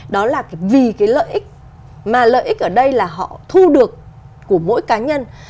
đó là vì cái lợi ích mà lợi ích ở đây là họ thu được của mỗi cá nhân